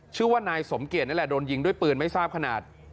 ชื่อว่านายสมเกียจนี่แหละโดนยิงด้วยปืนไม่ทราบขนาด